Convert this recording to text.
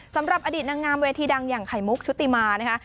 สำหรับอดีตนางงามเวทีดังอย่างไข่มุกชุติมานะคะ